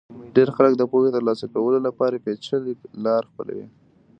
ډېر خلک د پوهې ترلاسه کولو لپاره پېچلې لار خپلوي.